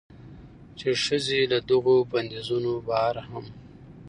چې ښځې له دغو بندېزونو بهر هم